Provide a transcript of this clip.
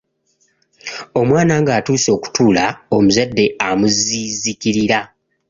Omwana ng'atuuse okutuula, omuzzadde amuziziikirira.